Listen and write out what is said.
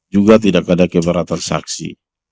juga tidak pada keberatan saksi